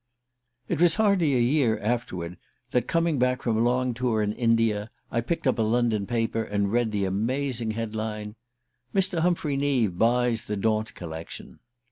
It was hardly a year afterward that, coming back from a long tour in India, I picked up a London paper and read the amazing headline: "Mr. Humphrey Neave buys the Daunt collection"...